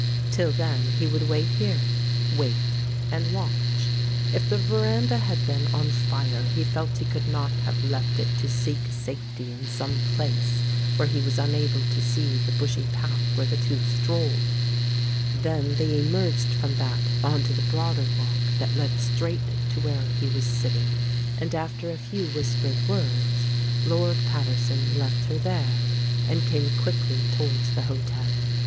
Till then he would wait here, wait and watch. If the veranda had been on fire, he felt he could not have left it to seek safety in some place where he was unable to see the bushy path where the two strolled. Then they emerged from that on to the broader walk that led straight to where he was sitting, and after a few whis N 20I The Ape pered words, Lord Paterson left her there, and came quickly towards the hotel.